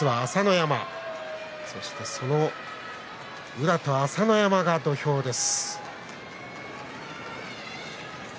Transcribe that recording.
宇良と朝乃山が土俵です。